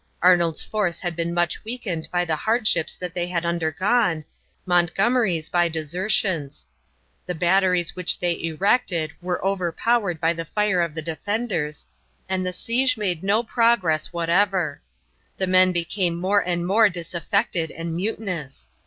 Arnold's force had been much weakened by the hardships that they had undergone, Montgomery's by desertions; the batteries which they erected were overpowered by the fire of the defenders, and the siege made no progress whatever. The men became more and more disaffected and mutinous.